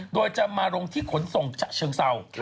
โดยจะมาลงที่ขนส่งเชิงเซา